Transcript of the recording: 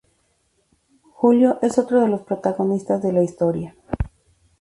Julio es otro de los protagonistas de la historia.